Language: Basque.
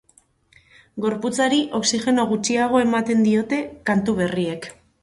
Gorputzari oxigeno gutxiago ematen diote kantu berriek.